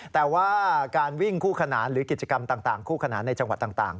แต่ว่าการวิ่งคู่ขนานหรือกิจกรรมต่างคู่ขนานในจังหวัดต่าง